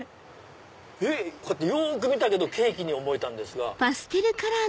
こうやってよく見たけどケーキに思えたんですが。